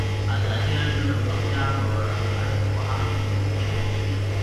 ازادي راډیو د روغتیا په اړه د پوهانو څېړنې تشریح کړې.